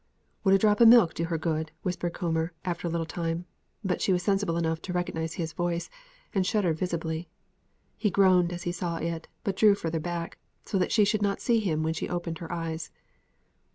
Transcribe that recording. "Would a drop o' milk do her good?" whispered Coomber after a time; but she was sensible enough to recognise his voice, and shuddered visibly. He groaned as he saw it; but drew further back, so that she should not see him when she opened her eyes.